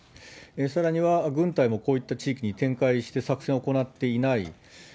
さらには、軍隊もこういった地域に展開して作戦を行っていない。